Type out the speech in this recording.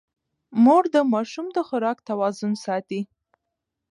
مور د ماشوم د خوراک توازن ساتي.